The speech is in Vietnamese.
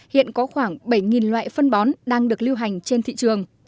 hiện có khoảng bảy loại phân bón đang được lưu hành trên thị trường